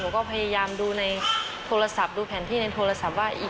ก็พยายามดูในโทรศัพท์ดูแผนที่ในโทรศัพท์ว่า